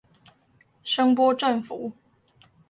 聲波振幅